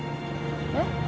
えっ？